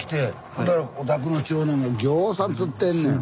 ほんだらお宅の長男がぎょうさん釣ってんねん。